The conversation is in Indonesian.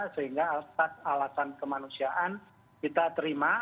sehingga atas alasan kemanusiaan kita terima